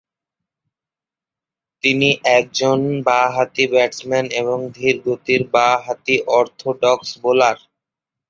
তিনি একজন বা-হাতি ব্যাটসম্যান এবং ধীরগতির বা-হাতি অর্থডক্স বোলার।